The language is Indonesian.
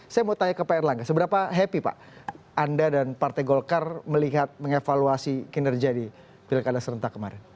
saya mau tanya ke pak erlangga seberapa happy pak anda dan partai golkar melihat mengevaluasi kinerja di pilkada serentak kemarin